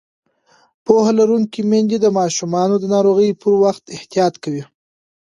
پوهه لرونکې میندې د ماشومانو د ناروغۍ پر وخت احتیاط کوي.